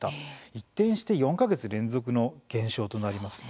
一定して４か月連続の減少となります。